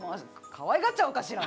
かわいがっちゃおうかしら。